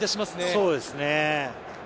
そうですね。